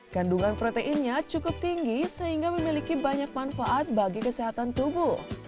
kandungan proteinnya cukup tinggi sehingga memiliki banyak manfaat bagi kesehatan tubuh